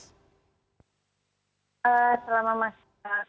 apakah diperbolehkan untuk menggunakan buka puasa bersama atau bukber mbak airis